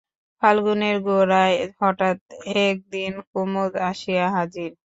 ফাল্গুনের গোড়ায় হঠাৎ একদিন কুমুদ আসিয়া হাজির।